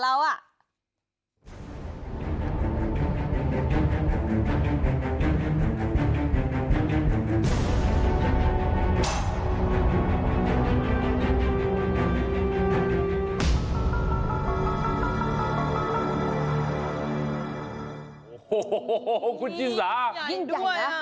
โหโหโหคุณชินสายัยด้วยอ่ะ